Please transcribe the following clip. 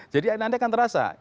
jadi anda akan terasa